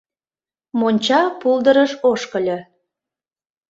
Монча пулдырыш ошкыльо.